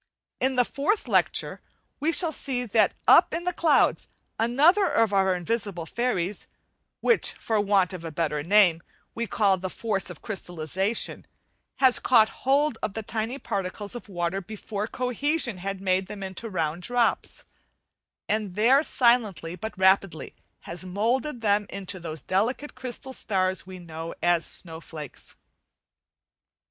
In the fourth lecture we shall see that up in the clouds another of our invisible fairies, which, for want of a better name, we call the "force of crystallization," has caught hold of the tiny particles of water before "cohesion" had made them into round drops, and there silently but rapidly, has moulded them into those delicate crystal starts know as "snowflakes".